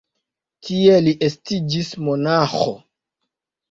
Tie li estiĝis monaĥo.